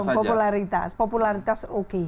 belum popularitas popularitas oke